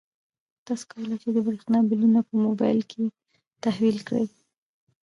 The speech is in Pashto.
تاسو کولای شئ د برښنا بلونه په موبایل کې تحویل کړئ.